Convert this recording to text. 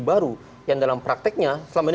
baru yang dalam prakteknya selama ini